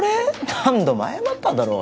何度も謝っただろう